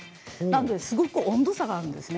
なのですごく温度差があるんです。